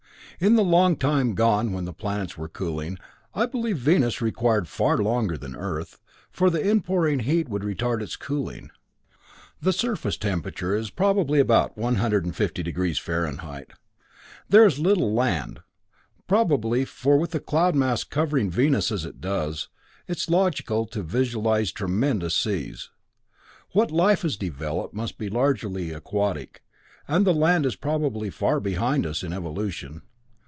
In the long gone time when the planets were cooling I believe Venus required far longer than Earth, for the inpouring heat would retard its cooling. The surface temperature is probably about 150 degrees Fahrenheit. "There is little land, probably, for with the cloud mass covering Venus as it does, it's logical to visualize tremendous seas. What life has developed must be largely aquatic, and the land is probably far behind us in evolution.